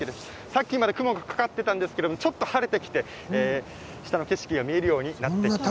さっきまで雲がかかっていたんですがちょっと晴れてきて下の景色が見られるようになりました。